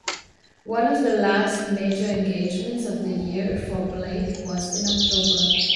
One of the last major engagements of the year for Blake was in October.